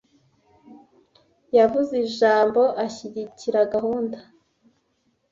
Yavuze ijambo ashyigikira gahunda.